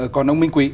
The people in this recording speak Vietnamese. còn ông minh quỳ